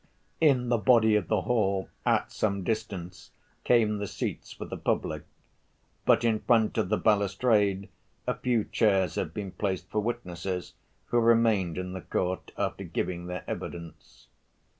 In the body of the hall, at some distance, came the seats for the public. But in front of the balustrade a few chairs had been placed for witnesses who remained in the court after giving their evidence.